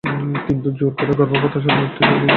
কিন্তু জোর করে গর্ভপাত আসলে ছিল শুধু একটা শুরু।